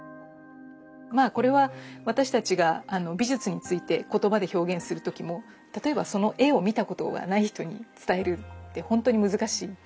まあこれは私たちが美術について言葉で表現する時も例えばその絵を見たことがない人に伝えるってほんとに難しい。